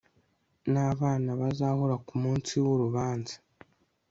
nabana bazahura ku munsi wurubanza